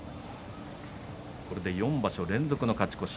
これで４場所連続勝ち越し。